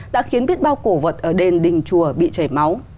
đã khiến biết bao cổ vật ở đền đình chùa bị chảy máu